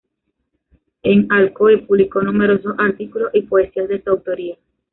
En Alcoy publicó numerosos artículos y poesías de su autoría.